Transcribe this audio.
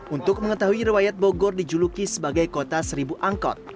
untuk mengetahui riwayat bogor dijuluki sebagai kota seribu angkot